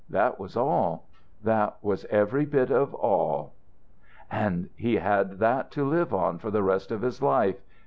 That was all; that was every bit of all." "And he had that to live on for the rest of his life."